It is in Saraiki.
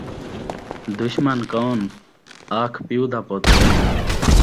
دشمن کون؟ آکھ پیو دا پتر